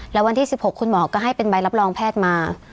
แล้ววันที่๑๖คุณหมอก็ให้เป็นใบรับรองแพทย์มา